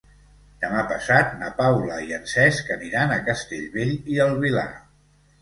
Demà passat na Paula i en Cesc aniran a Castellbell i el Vilar.